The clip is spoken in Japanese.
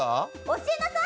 教えなさい！